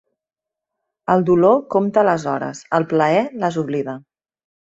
El dolor compta les hores; el plaer les oblida.